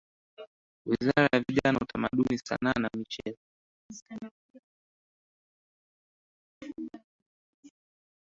Wizara ya Vijana Utamaduni Sanaa na Michezo